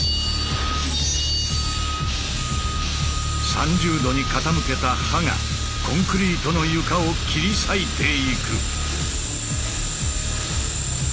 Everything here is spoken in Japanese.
３０°に傾けた刃がコンクリートの床を切り裂いていく。